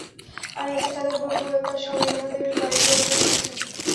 আমি আছি, তাদের বলব সবাই আমার বাড়িতে এক রাত থাকছো।